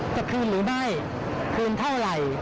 จะคืนหรือไม่คืนเท่าไหร่